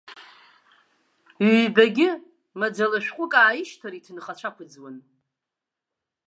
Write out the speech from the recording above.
Ҩбагьы, маӡала шәҟәык ааишьҭыр, иҭынхацәа ақәӡуан.